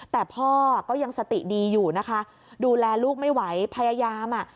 แต่พ่อก็ยังสติดีอยู่นะคะดูแลลูกไม่ไหวพยายามอ่ะ